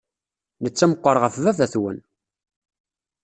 Netta meɣɣer ɣef baba-twen!